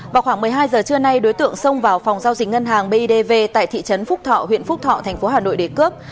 vào khoảng một mươi hai giờ trưa nay đối tượng xông vào phòng giao dịch ngân hàng bidv tại thị trấn phúc thọ huyện phúc thọ thành phố hà nội để cướp